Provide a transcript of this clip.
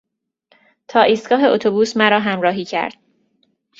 تا ایستگاه اتوبوس مرا همراهی کرد.